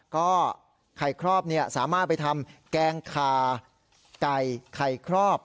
ก็ไข่ครอบสามารถไปทำแกงขาไก่ไข่ครอบ